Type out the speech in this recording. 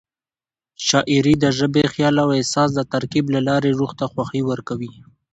شاعري د ژبې، خیال او احساس د ترکیب له لارې روح ته خوښي ورکوي.